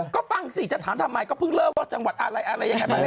ก็ฟังสิจะถามทำไมก็พึ่งเลิกว่าจังหวัดอะไรอะไรอย่างนี้